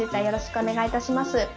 よろしくお願いします。